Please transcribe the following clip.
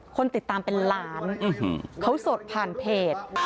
คนติดตามเป็นล้านเขาสดผ่านเพจ